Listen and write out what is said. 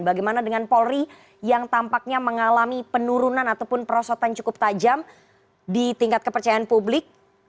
bagaimana dengan polri yang tampaknya mengalami penurunan ataupun perosotan cukup tajam di tingkat kepercayaan publik